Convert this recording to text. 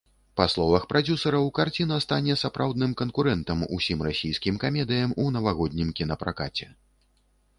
Па словах прадзюсараў, карціна стане сапраўдным канкурэнтам усім расійскім камедыям у навагоднім кінапракаце.